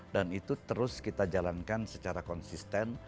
dan itu terus kita jalankan secara konsisten